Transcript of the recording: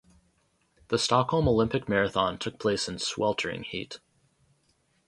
The Stockholm Olympic marathon took place in sweltering heat.